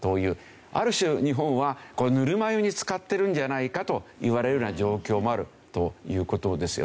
ある種日本はぬるま湯に浸かってるんじゃないかといわれるような状況もあるという事ですよね。